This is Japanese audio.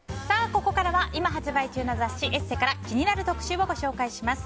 ここからは今発売中の雑誌「ＥＳＳＥ」から気になる特集をご紹介します。